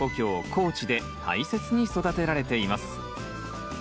高知で大切に育てられています。